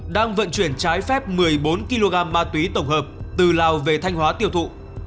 đang vận chuyển trái phép một mươi bốn kg ma túy tổng hợp từ lào về thanh hóa tiêu thụ